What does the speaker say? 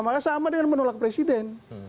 makanya sama dengan menolak presiden